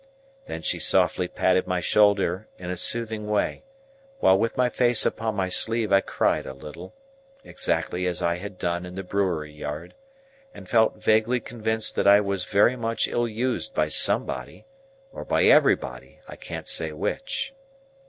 Then she softly patted my shoulder in a soothing way, while with my face upon my sleeve I cried a little,—exactly as I had done in the brewery yard,—and felt vaguely convinced that I was very much ill used by somebody, or by everybody; I can't say which.